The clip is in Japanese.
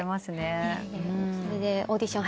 それでオーディション